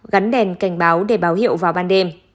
gắn đèn cảnh báo để báo hiệu vào ban đêm